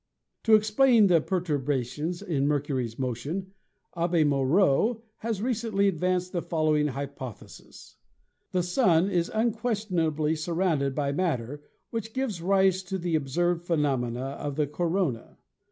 To explain the perturbations in Mercury's motion, Abbe Moreux has recently advanced the following hypothesis: "The Sun is unquestionably surrounded by matter which gives rise to the observed phenomena of the corona.